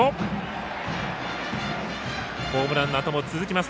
ホームランのあとも続きます。